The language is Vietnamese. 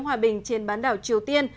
hòa bình trên bán đảo triều tiên